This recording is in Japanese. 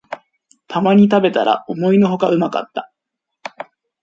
たまに食べたら思いのほかうまかった